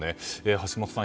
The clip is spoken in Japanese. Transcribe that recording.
橋下さん